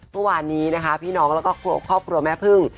เมื่อวานนี้นะคะพี่น้องแล้วก็ครอบครัวแม่พึ่ง